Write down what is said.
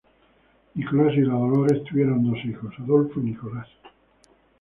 Nicolás y Dolores tuvieron dos hijos, Adolfo y Nicolás.